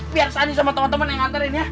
biar sunny sama temen temen yang nganterin ya